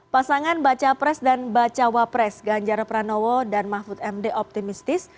pasangan baca pres dan bacawa pres ganjar pranowo dan mahfud md optimistis